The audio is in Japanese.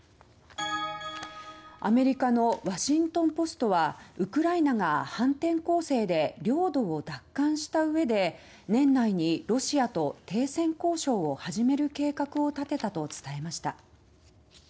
アメリカのワシントン・ポストはウクライナが反転攻勢で領土を奪還した上で年内にロシアと停戦交渉を始める計画を立てたと伝えました。